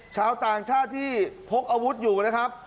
ชาวต่างชาติที่พกอาวุธอยู่นะครับ